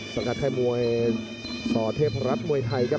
สังกัดค่ายมวยสเทพรัฐมวยไทยครับ